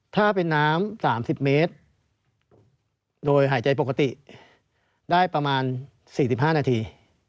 ถ้าเป็นน้ำ๓๐เมตรโดยหายใจปกติได้ประมาณ๔๕นาที